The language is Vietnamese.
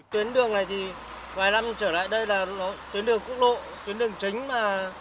tuyến đường quốc lộ tuyến đường chính mà